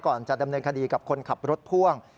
ก่อนจะดำเนินคดีกับคนขับรถพ่วง